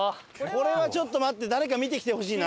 これはちょっと待って誰か見てきてほしいな。